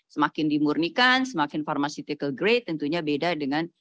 semakin dimurnikan semakin pharmaceutical grade tentunya beda dengan